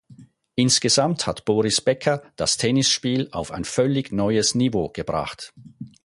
Insgesamt hat Boris Becker das Tennisspiel auf ein völlig neues Niveau gebracht.